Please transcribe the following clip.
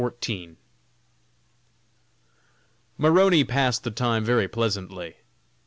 _ Maroney passed the time very pleasantly.